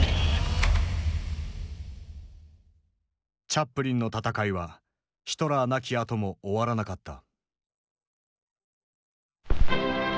チャップリンの闘いはヒトラー亡きあとも終わらなかった。